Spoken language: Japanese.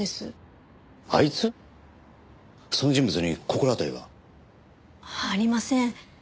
その人物に心当たりは？ありません。